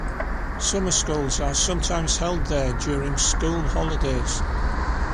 Summer schools are sometimes held there during school holidays.